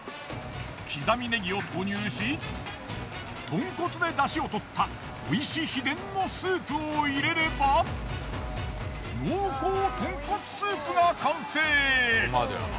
刻みネギを投入し豚骨でダシをとったＯＩＳＨＩ秘伝のスープを入れれば濃厚豚骨スープが完成！